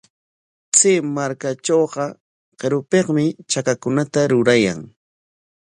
Chay markatrawqa qirupikmi chakakunata rurayan.